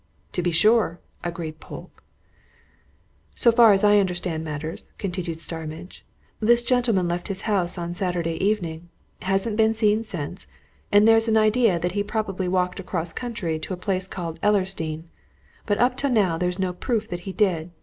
"To be sure," agreed Polke. "So far as I understand matters," continued Starmidge, "this gentleman left his house on Saturday evening, hasn't been seen since, and there's an idea that he probably walked across country to a place called Ellersdeane. But up to now there's no proof that he did.